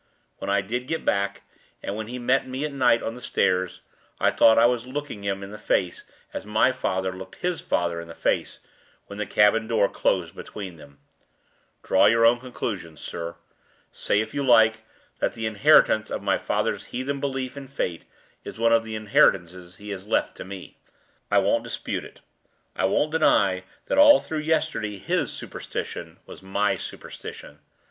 When I did get back, and when he met me at night on the stairs, I thought I was looking him in the face as my father looked his father in the face when the cabin door closed between them. Draw your own conclusions, sir. Say, if you like, that the inheritance of my father's heathen belief in fate is one of the inheritances he has left to me. I won't dispute it; I won't deny that all through yesterday his superstition was my superstition.